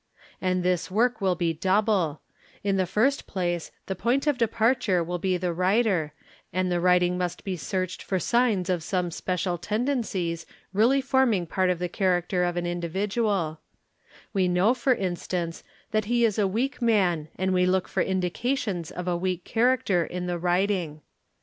And this work will be double: in the first place the _ point of departure will be the writer, and the writing must be searched _ for signs of some special tendencies really forming part of the charac ter of an individual: we know for instance that he is a weak man _ and we look for indications of a weak character in the writing.